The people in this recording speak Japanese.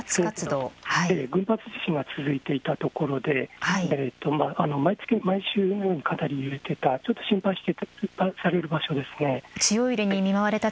群発地震が続いていたところで毎月、毎週のように揺れていた、ちょっと心配されていた場所でした。